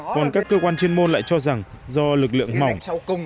còn các cơ quan chuyên môn lại cho rằng do lực lượng mỏng